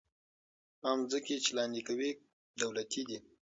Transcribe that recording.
هغه ځمکې چې لاندې کوي، دولتي دي.